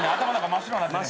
「真っ白になってね」